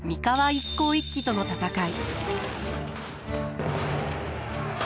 一向一揆との戦い。